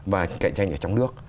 và cạnh tranh ở trong nước